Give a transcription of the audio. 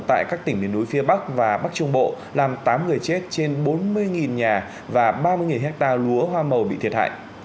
tại các tỉnh miền núi phía bắc và bắc trung bộ làm tám người chết trên bốn mươi nhà và ba mươi hectare lúa hoa màu bị thiệt hại